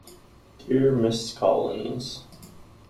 Dear Ms Collins.